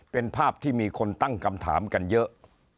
เป็นภาพที่มีคนตั้งคำถามกันเยอะ